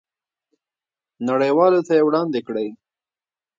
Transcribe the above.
نړیوالو ته یې وړاندې کړئ.